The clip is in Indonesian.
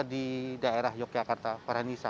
di daerah yogyakarta paranisa